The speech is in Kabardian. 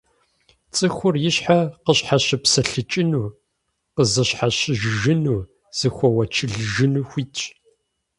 ЦӀыхур и щхьэ къыщхьэщыпсэлъыкӀыну, къызыщхьэщыжыжыну, зыхуэуэчылыжыну хуитщ.